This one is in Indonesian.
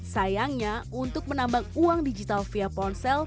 sayangnya untuk menambang uang digital via ponsel